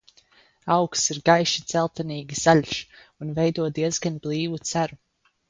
Augs ir gaiši dzeltenīgi zaļs un veido diezgan blīvu ceru.